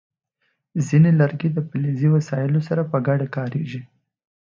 ځینې لرګي د فلزي وسایلو سره په ګډه کارېږي.